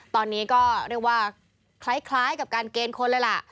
ตอนนี้ก็เรียกว่าคล้ายกับการเกณฑ์คนเลยล่ะ